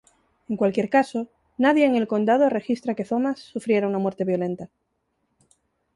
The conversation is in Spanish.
En cualquier caso, nadie en el condado registra que Thomas sufriera una muerte violeta.